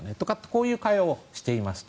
こういう会話をしています。